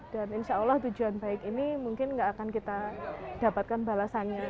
dan insya allah tujuan baik ini mungkin gak akan kita dapatkan balasannya instan